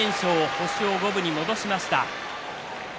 星を五分に戻しました。